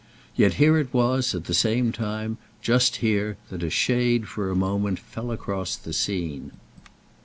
Yet here it was, at the same time, just here, that a shade for a moment fell across the scene.